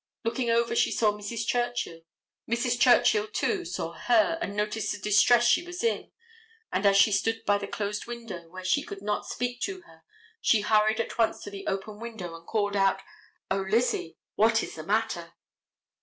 Looking over she saw Mrs. Churchill; Mrs. Churchill, too, saw her, and noticed the distress she was in, and as she stood by the closed window where she could not speak to her she hurried at once to the open window and called out, "O, Lizzie, what is the matter?"